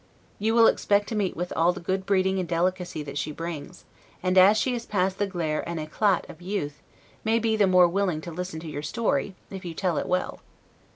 She will expect to meet with all the good breeding and delicacy that she brings; and as she is past the glare and 'eclat' of youth, may be the more willing to listen to your story, if you tell it well.